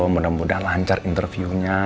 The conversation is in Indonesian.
mudah mudahan lancar interviewnya